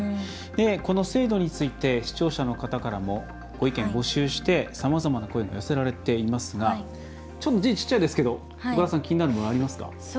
この制度について視聴者の方からもご意見、募集してさまざまな声が寄せられていますが字が小さいですけど岡田さん気になるものありますか。